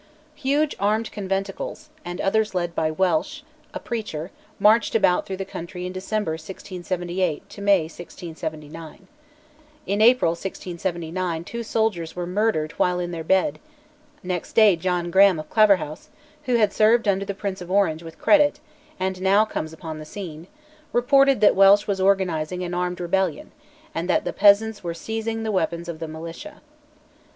Huge armed conventicles, and others led by Welsh, a preacher, marched about through the country in December 1678 to May 1679. In April 1679 two soldiers were murdered while in bed; next day John Graham of Claverhouse, who had served under the Prince of Orange with credit, and now comes upon the scene, reported that Welsh was organising an armed rebellion, and that the peasants were seizing the weapons of the militia.